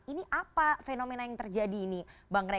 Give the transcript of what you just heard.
ini apa fenomena yang terjadi ini bang rey